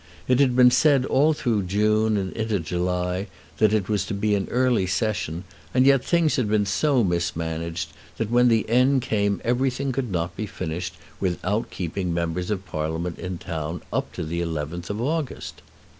It had been said all through June and into July that it was to be an early Session, and yet things had been so mismanaged that when the end came everything could not be finished without keeping members of Parliament in town up to the 11th of August!